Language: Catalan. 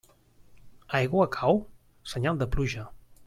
Aigua cau? Senyal de pluja.